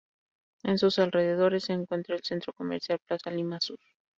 En sus alrededores se encuentra el centro comercial Plaza Lima Sur.